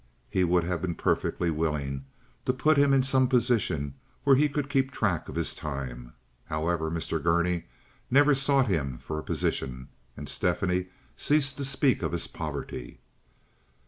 He would have been perfectly willing to put him in some position where he could keep track of his time. However, Mr. Gurney never sought him for a position, and Stephanie ceased to speak of his poverty.